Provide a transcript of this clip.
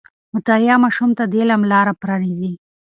مطالعه ماشوم ته د علم لاره پرانیزي.